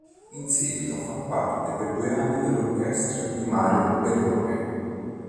In seguito fa parte per due anni dell'orchestra di Mario Perrone.